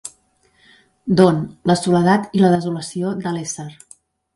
D'on, la soledat i la desolació de l'ésser.